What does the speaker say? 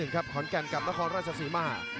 ที่๑ครับขอนแก่นกับนครรัสสีม่า